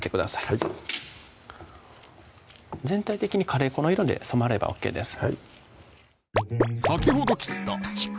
はい全体的にカレー粉の色で染まればＯＫです